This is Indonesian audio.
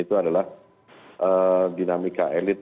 itu adalah dinamika elit